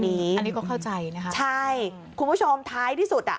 อันนี้ก็เข้าใจนะคะใช่คุณผู้ชมท้ายที่สุดอ่ะ